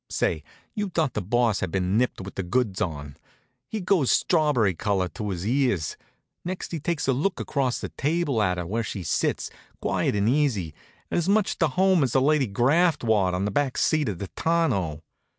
Say, you'd thought the Boss had been nipped with the goods on. He goes strawb'ry color back to his ears. Next he takes a look across the table at her where she sits, quiet and easy, and as much to home as Lady Graftwad on the back seat of the tonneau.